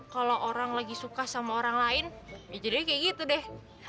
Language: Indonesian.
kalau orang lagi suka sama orang lain ya jadinya kayak gitu deh